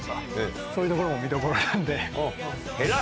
そういうところも見どころなんで。